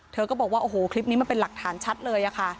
เธอก็บอกว่าโอ้โหคลิปนี้มันเป็นหลักฐานชัดเลยค่ะ